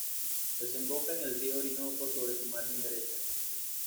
Desemboca en el río Orinoco sobre su margen derecha.